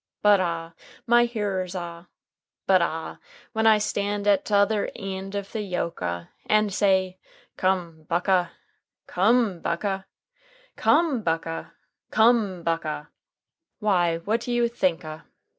"But ah, my hearers ah, but ah when I stand at t'other eend of the yoke ah, and say, 'Come, Buck ah! Come, Buck ah! COME, BUCK AH! COME, BUCK AH!' why what do you think ah?